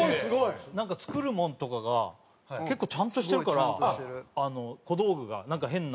なんか作るもんとかが結構ちゃんとしてるから小道具がなんか変な。